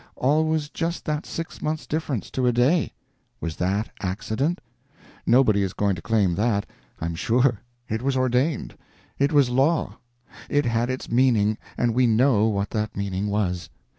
Always just that six months' difference to a day. Was that accident? Nobody is going to claim that, I'm sure. It was ordained it was law it had its meaning, and we know what that meaning was.